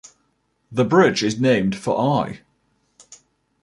The bridge is named for I.